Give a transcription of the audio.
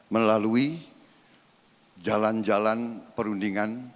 melalui jalan jalan perundingan